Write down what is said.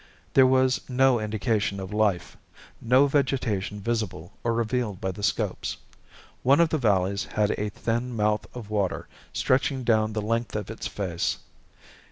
There was no indication of life, no vegetation visible or revealed by the scopes. One of the valleys had a thin mouth of water stretching down the length of its face.